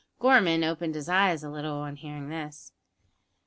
Gorman opened his eyes a little on hearing this.